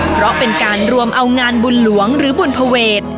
เพราะเป็นการรวมเอางานบุญหลวงหรือบุญภเวท